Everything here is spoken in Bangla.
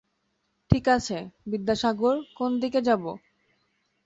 ঠিক আছে, বিদ্যাসাগর, কোন দিকে যাবো?